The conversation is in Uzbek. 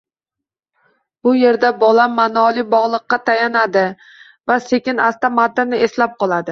Bu yerda bola maʼnoli bog‘liqlikka tayanadi va sekin-asta matnni eslab qoladi.